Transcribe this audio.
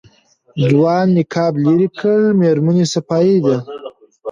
ځوان نقاب لېرې کړ مېرمنې صفايي ده.